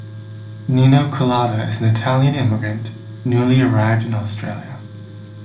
Nino Culotta is an Italian immigrant, newly arrived in Australia.